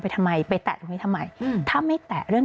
สิ่งที่ประชาชนอยากจะฟัง